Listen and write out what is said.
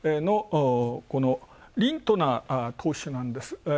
このリントナー党首なんです。